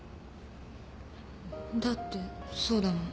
だってそうだもん。